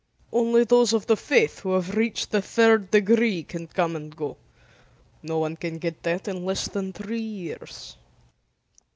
"Only those of the Faith who have reached the third degree can come and go. No one can get that in less than three years."